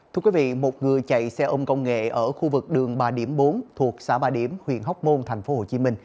thưa quý vị một người chạy xe ôm công nghệ ở khu vực đường ba điểm bốn thuộc xã ba điểm huyện hóc môn tp hcm